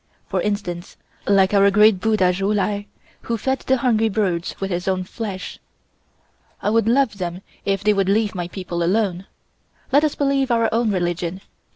For instance, like our great Buddha Ju Lai, who fed the hungry birds with his own flesh. I would love them if they would leave my people alone. Let us believe our own religion.